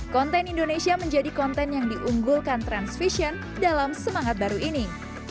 konten indonesia menjadi konten yang diunggulkan transvision dalam semangat baru ini